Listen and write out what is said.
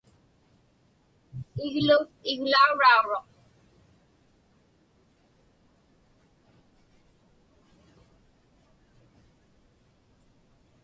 Iglu iglaurauruq.